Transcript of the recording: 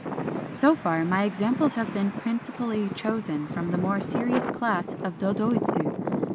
So far, my examples have been principally chosen from the more serious class of dodoitsu.